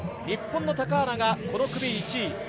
日本の高原がこの組１位。